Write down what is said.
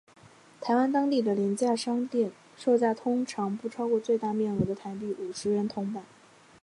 台湾当地的廉价商店售价通常不超过最大面额的台币五十元铜板。